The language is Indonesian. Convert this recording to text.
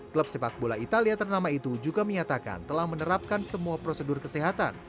klub sepak bola italia ternama itu juga menyatakan telah menerapkan semua prosedur kesehatan